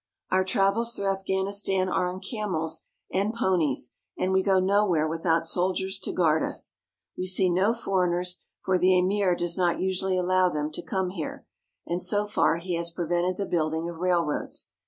Our travels through Afghanistan are on camels and ponies, and we go nowhere without soldiers to guard us. We see no foreigners, for the Amir does not usually allow them to come here, and so far he has prevented the building of railroads.